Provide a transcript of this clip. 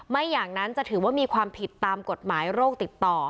ไม่อย่างนั้นจะถือว่ามีความผิดตามกฎหมายโรคติดต่อ